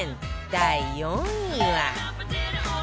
第４位は